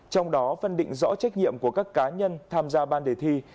trong đó phân định rõ trách nhiệm của các cá nhân tham gia ban đề thi